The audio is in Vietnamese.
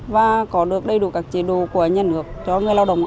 và có đầy đủ các chế độ của nhân hợp cho người lao động